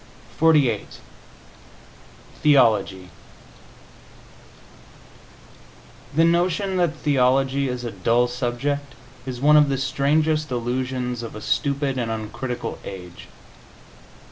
XLVIII THEOLOGY The notion that theology is a dull subject is one of the strangest delusions of a stupid and uncritical age.